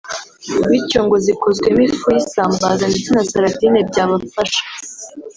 bityo ngo zikozwemo ifu y’isambaza ndetse na Saradine byabafasha